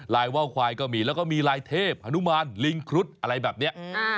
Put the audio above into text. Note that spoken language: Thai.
ว่าวควายก็มีแล้วก็มีลายเทพฮานุมานลิงครุฑอะไรแบบนี้